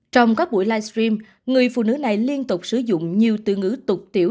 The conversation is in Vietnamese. trong các buổi livestream người phụ nữ này liên tục sử dụng nhiều từ ngữ tục tiểu